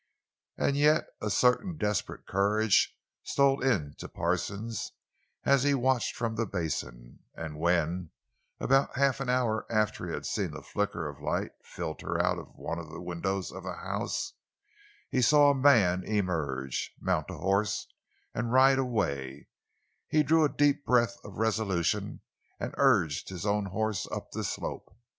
And yet a certain desperate courage stole into Parsons as he watched from the basin, and when, about half an hour after he had seen the flicker of light filter out of one of the windows of the house, he saw a man emerge, mount a horse, and ride away, he drew a deep breath of resolution and urged his own horse up the slope.